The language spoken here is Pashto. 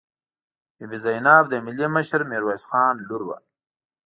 بي بي زینب د ملي مشر میرویس خان لور وه.